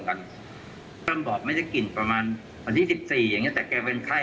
เข้มบอสไม่ได้กินประมาณวันที่๑๔ตั้งแต่มันเป็นไข้